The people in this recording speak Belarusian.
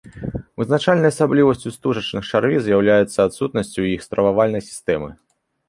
Вызначальнай асаблівасцю стужачных чарвей з'яўляецца адсутнасць у іх стрававальнай сістэмы.